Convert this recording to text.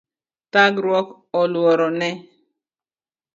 Thagruok oluro ne